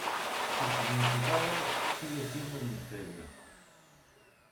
Su significado sigue siendo un misterio.